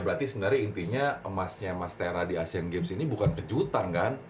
berarti sebenarnya intinya emasnya mas tera di asean games ini bukan kejutan kan